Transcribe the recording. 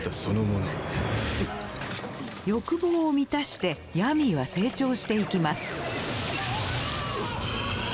欲望を満たしてヤミーは成長していきます。